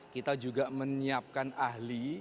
kita juga menyiapkan ahli